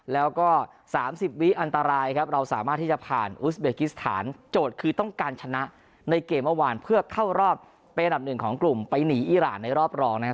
แล้วก็๓๐วิอันตรายครับเราสามารถที่จะผ่านอุสเบกิสถานโจทย์คือต้องการชนะในเกมเมื่อวานเพื่อเข้ารอบเป็นอันดับหนึ่งของกลุ่มไปหนีอีรานในรอบรองนะครับ